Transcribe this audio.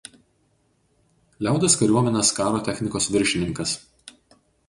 Liaudies kariuomenės karo technikos viršininkas.